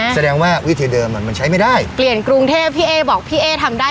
แสดงว่าวิธีเดิมอ่ะมันใช้ไม่ได้เปลี่ยนกรุงเทพพี่เอ๊บอกพี่เอ๊ทำได้